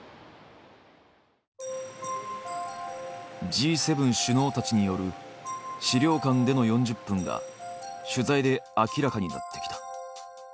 Ｇ７首脳たちによる資料館での４０分が取材で明らかになってきた。